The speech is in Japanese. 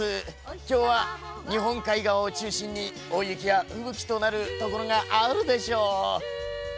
きょうは日本海側を中心に、大雪や吹雪となる所があるでしょう。